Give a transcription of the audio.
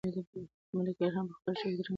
ملکیار هم په خپل شعر کې ترنک رود ته خطاب کوي.